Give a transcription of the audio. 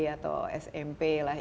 atau smp lah